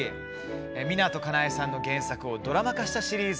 湊かなえさんの原作をドラマ化したシリーズ